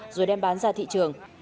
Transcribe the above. rồi đem bán ra thị trường